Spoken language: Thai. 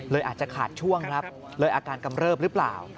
อาจจะขาดช่วงครับเลยอาการกำเริบหรือเปล่า